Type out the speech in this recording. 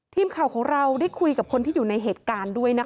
ทีมข่าวของเราได้คุยกับคนที่อยู่ในเหตุการณ์ด้วยนะคะ